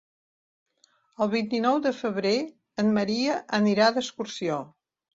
El vint-i-nou de febrer en Maria anirà d'excursió.